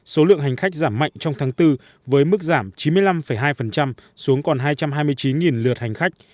số lượng hành khách giảm mạnh trong tháng bốn với mức giảm chín mươi năm hai xuống còn hai trăm hai mươi chín lượt hành khách